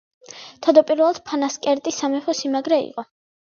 თავდაპირველად ფანასკერტი სამეფო სიმაგრე იყო.